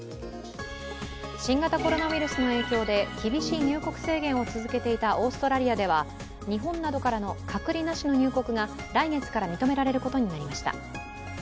新型コロナウイルスの影響で厳しい入国制限を続けていたオーストラリアでは日本などからの隔離なしの入国が来月から認められることになりました。